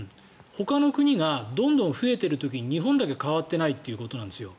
ほかの国がどんどん増えている時に日本だけ変わっていないということなんですよ。